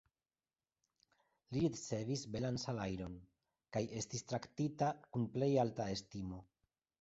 Li ricevis belan salajron, kaj estis traktita kun plej alta estimo.